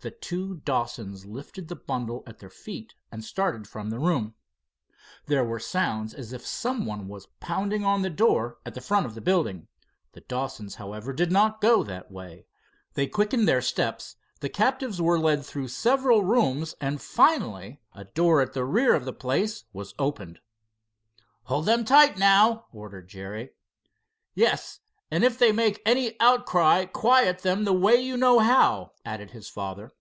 The two Dawsons lifted the bundle at their feet and started from the room. There were sounds as if some one was pounding on the door at the front of the building. The Dawsons, however, did not go that way. They quickened their steps, the captives were led through several rooms, and finally a door at the rear of the place was opened. "Hold them tight now," ordered Jerry. "Yes, and if they make any outcry quiet them the way you know how," added his father.